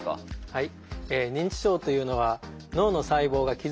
はい。